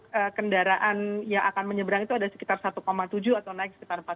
karena kendaraan yang akan menyeberang itu ada sekitar satu tujuh atau naik sekitar empat puluh